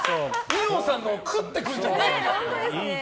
二葉さんのを食ってくんじゃないよ。